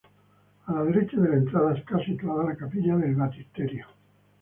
A la derecha de la entrada está situada la Capilla del Baptisterio.